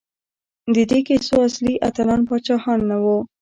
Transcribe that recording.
د دې کیسو اصلي اتلان پاچاهان نه وو.